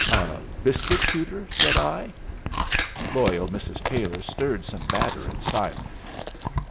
"A biscuit shooter!" said I. Loyal Mrs. Taylor stirred some batter in silence.